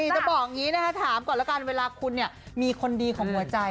จะบอกอย่างนี้นะคะถามก่อนแล้วกันเวลาคุณเนี่ยมีคนดีของหัวใจ